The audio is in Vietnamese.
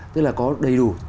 tức là có đầy đủ